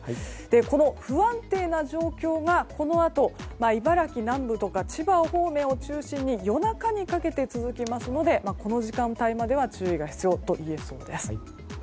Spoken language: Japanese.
この不安定な状況はこのあと茨城南部や千葉方面を中心に夜中にかけて続きますのでこの時間帯までは注意が必要といえそうです。